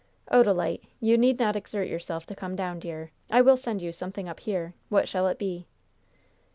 "Odalite, you need not exert yourself to come down, dear. I will send you something up here. What shall it be?"